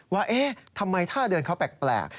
ว่าเอ๊ะทำไมท่าเดินเขาแปลก